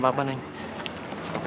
dia kan dia aja